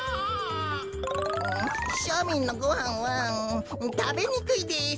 うんしょみんのごはんはたべにくいです。